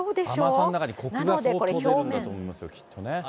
甘さの中にこくが相当出るんだと思いますよ、きっとね。